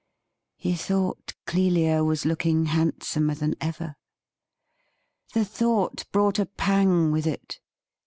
He thought Clelia was looking handsomer than ever. The thought brought a pang with it.